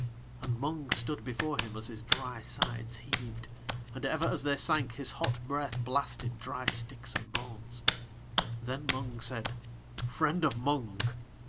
And Mung stood before him as his dry sides heaved, and ever as they sank his hot breath blasted dry sticks and bones. Then Mung said: "Friend of Mung!